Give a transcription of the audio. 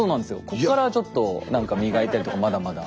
こっからちょっとなんか磨いたりとかまだまだ。